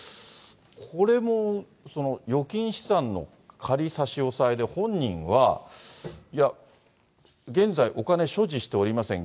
これも預金資産の仮差し押さえで、本人は、いや、現在、お金所持しておりません。